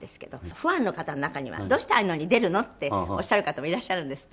ファンの方の中には「どうしてああいうのに出るの？」っておっしゃる方もいらっしゃるんですって？